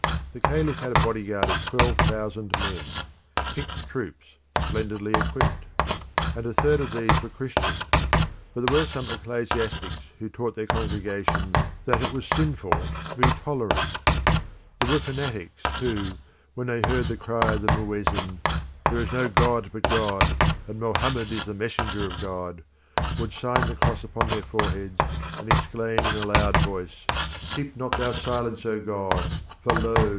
The caliph had a bodyguard of twelve thousand men; picked troops, splendidly equipped; and a third of these were Christians. But there were some ecclesiastics who taught their congregations that it was sinful to be tolerated. There were fanatics who, when they heard the cry of the muezzin, "There is no God but God, and Mohammed is the messenger of God," would sign the cross upon their foreheads and exclaim in a loud voice, "Keep not thou silence, O God, for lo!